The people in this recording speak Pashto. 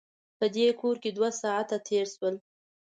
په دې کور کې دوه ساعته تېر شول.